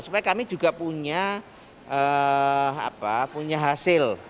supaya kami juga punya hasil